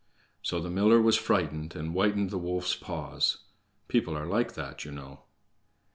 So the miller was frightened, and whitened the wolf's paws. People are like that, you know.